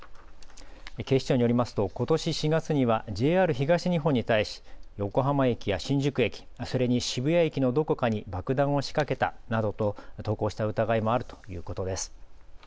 警視庁によりますとことし４月にはＪＲ東日本に対し横浜駅や新宿駅、それに渋谷駅のどこかに爆弾を仕掛けたなどと投稿した疑いもあるということです。